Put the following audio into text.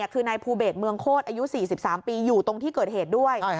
คือนายภูเดชเมืองโคตรอายุ๔๓ปีอยู่ตรงที่เกิดเหตุด้วย